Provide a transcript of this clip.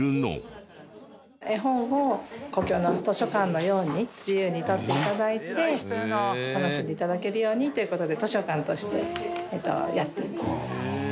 絵本を公共の図書館のように自由に取って頂いて楽しんで頂けるようにという事で図書館としてやっています。